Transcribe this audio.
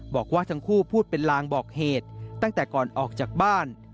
บอกว่าทั้งคู่พูดเป็นลางบอกเหตุตั้งแต่ก่อนออกจากบ้าน